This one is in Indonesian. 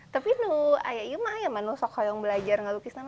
tapi saya masih belum belajar lukis